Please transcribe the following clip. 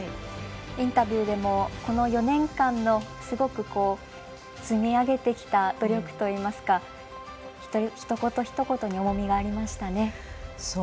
インタビューでもこの４年間のすごく積み上げてきた努力といいますかひと言ひと言に重みがありましたね。